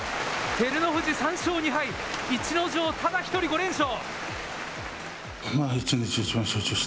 照ノ富士、３勝２敗、逸ノ城、ただ１人５連勝。